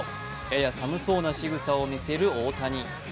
やや寒そうなしぐさを見せる大谷。